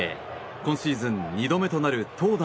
今シーズン２度目となる投打